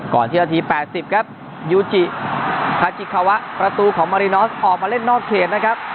ที่นาที๘๐ครับยูจิทาจิคาวะประตูของมารินอสออกมาเล่นนอกเขตนะครับ